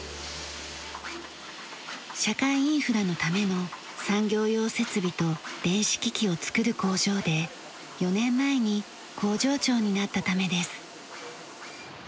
社会インフラのための産業用設備と電子機器を作る工場で４年前に工場長になったためです。